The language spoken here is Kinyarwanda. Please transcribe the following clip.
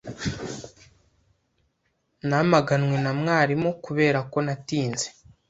Namaganwe na mwarimu kubera ko natinze.